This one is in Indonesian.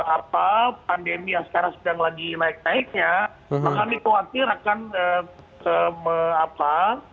apa pandemi yang sekarang sedang lagi naik naiknya maka kami khawatir akan menularkan kepada para staff kami dan itu akan